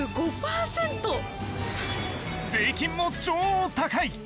税金も超高い。